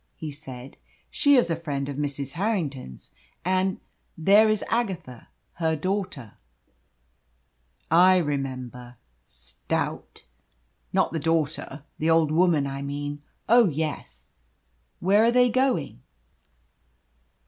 he said. "She is a friend of Mrs. Harrington's, and and there is Agatha, her daughter." "I remember stout. Not the daughter, the old woman, I mean. Oh yes. Where are they going?"